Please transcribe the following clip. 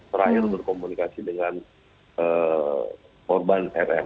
terakhir berkomunikasi dengan korban rf